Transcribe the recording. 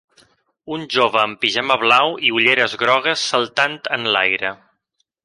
Un jove amb pijama blau i ulleres grogues saltant en l'aire.